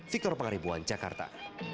victor pangribuan jakarta